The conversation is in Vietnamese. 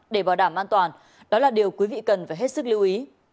để bảo đảm an toàn đó là điều quý vị cần phải hết sức lưu ý